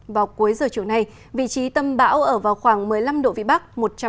vào cuối giờ chiều nay vị trí tâm bão ở vào khoảng một mươi năm độ vĩ bắc một trăm một mươi